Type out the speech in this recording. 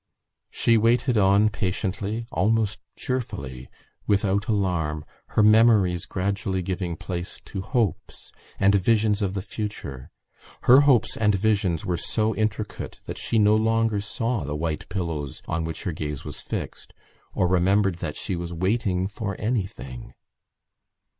She waited on patiently, almost cheerfully, without alarm, her memories gradually giving place to hopes and visions of the future. Her hopes and visions were so intricate that she no longer saw the white pillows on which her gaze was fixed or remembered that she was waiting for anything.